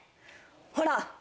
ほら！